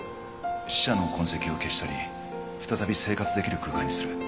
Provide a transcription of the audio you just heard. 死者の痕跡を消し去り再び生活できる空間にする。